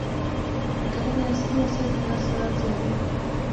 د کرنې عصري وسایل د کار سرعت زیاتوي.